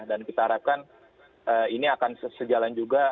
dan kita harapkan ini akan sejalan juga